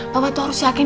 papa tuh harus yakin